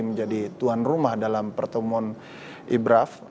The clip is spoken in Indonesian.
menjadi tuan rumah dalam pertemuan ibraf